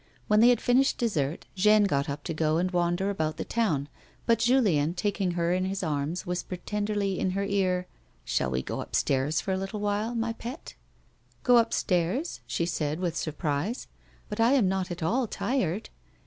When they had finished dessert, Jeanne got up to go and wander about the town, but Julien, taking her in his arms, whispered tenderly in her ear :" Shall we go upstairs for a little while, my pet 1 " "Go upstairs?" she said, with surprise; "but I'm not at all tired."